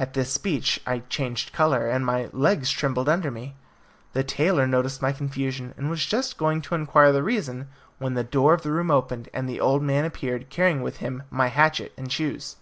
At this speech I changed colour, and my legs trembled under me. The tailor noticed my confusion, and was just going to inquire the reason when the door of the room opened, and the old man appeared, carrying with him my hatchet and shoes.